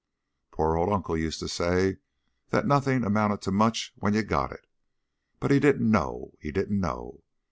Poor old uncle used to say that nothing amounted to much when you got it, but he didn't know, he didn't know.